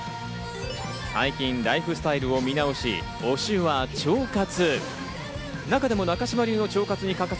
最近ライフスタイルを見直し、推しは腸活。